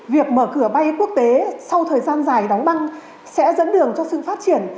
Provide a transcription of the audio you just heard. việc mở cửa bay quốc tế sau thời gian dài đóng băng sẽ dẫn đường cho sự phát triển